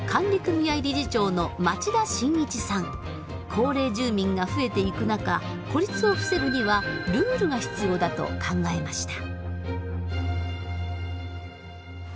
高齢住民が増えていく中孤立を防ぐにはルールが必要だと考えました。